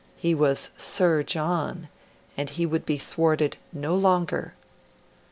He was Sir John, and he would be thwarted no longer.